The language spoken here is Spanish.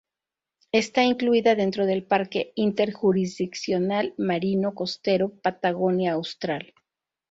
Está incluida dentro del parque interjurisdiccional marino costero Patagonia Austral.